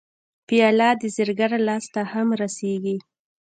پیاله د زرګر لاس ته هم رسېږي.